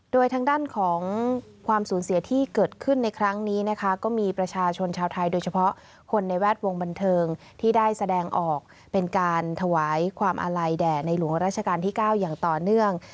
โดยทางด้านของความสูญเสียที่เกิดขึ้นในครั้งนี้นะคะก็มีประชาชนชาวไทยโดยเฉพาะคนในแวดวงบันเทิงที่ได้แสดงออกเป็นการถวายความอาลัยแด่ในหลวงราชการที่๙อย่างต่อเนื่อง